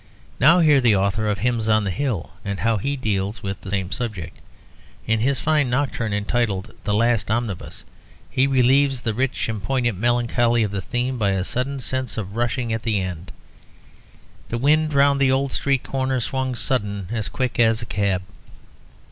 Now, hear the author of 'Hymns on the Hill,' and how he deals with the same subject. In his fine nocturne, entitled 'The Last Omnibus' he relieves the rich and poignant melancholy of the theme by a sudden sense of rushing at the end 'The wind round the old street corner Swung sudden and quick as a cab.'